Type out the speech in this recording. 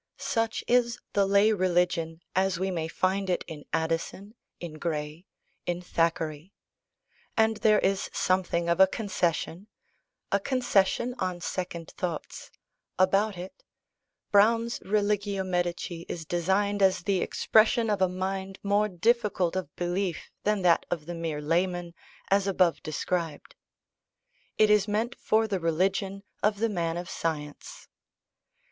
Such is the lay religion, as we may find it in Addison, in Gray, in Thackeray; and there is something of a concession a concession, on second thoughts about it. Browne's Religio Medici is designed as the expression of a mind more difficult of belief than that of the mere "layman," as above described; it is meant for the religion of the man of science.